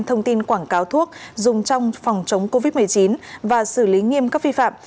thông tin quảng cáo thuốc dùng trong phòng chống covid một mươi chín và xử lý nghiêm các vi phạm